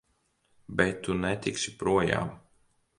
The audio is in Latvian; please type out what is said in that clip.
Bet tu netiksi projām!